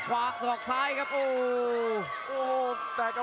หัวจิตหัวใจแก่เกินร้อยครับ